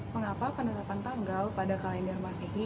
mengapa penetapan tanggal pada kalender masehi